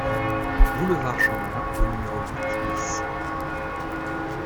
Boulevard Chamblain au numéro huit BIS